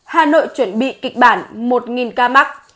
hà nội chuẩn bị kịch bản một ca mắc